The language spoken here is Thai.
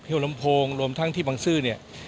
หัวลำโพงรวมทั้งที่บางซื่อ